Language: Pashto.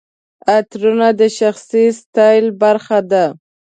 عطرونه د شخصي سټایل برخه ده.